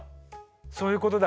そういうことだ。